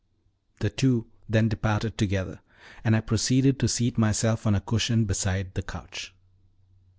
The two then departed together, and I proceeded to seat myself on a cushion beside the couch.